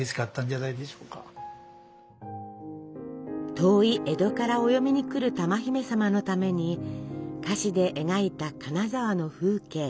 遠い江戸からお嫁に来る珠姫様のために菓子で描いた金沢の風景。